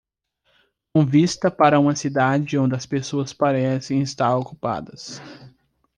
Com vista para uma cidade onde as pessoas parecem estar ocupadas.